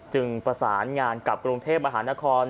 จึงประสานงานกับกลุ่มเทพบริหาราควร